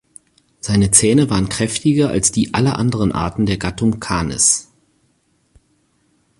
Seine Zähne waren kräftiger als die aller anderen Arten der Gattung "Canis".